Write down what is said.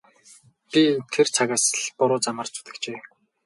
Би тэр цагаас л буруу замаар зүтгэжээ.